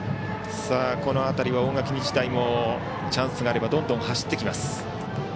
この辺りは、大垣日大もチャンスがあればどんどん走ってきます。